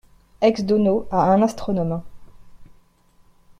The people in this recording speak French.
Ex Dono à un astronome.